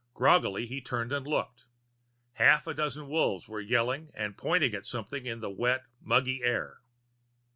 Groggily he turned and looked; half a dozen Wolves were yelling and pointing at something in the wet, muggy air.